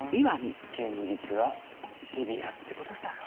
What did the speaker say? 現実はシビアってことさ。